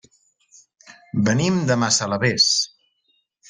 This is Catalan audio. Venim de Massalavés.